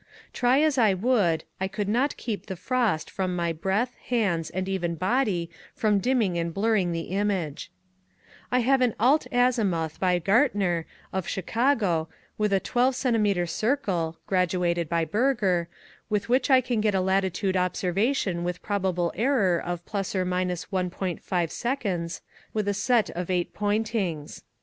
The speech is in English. Try as I would, I could not keep the frost from my breath, hands, and even body from dimming and blurring the image. I have an alt azimuth by Gaertner, of Chi cago, with a 12=™ circle (gradviated by Ber ger), with which I can get a latitude observa tion with probable error of ± l".S with a set of eight pointings.